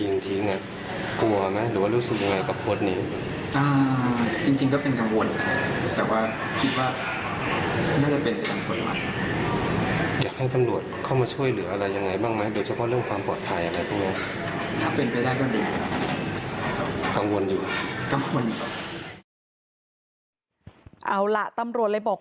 เอาล่ะตำรวจเรียก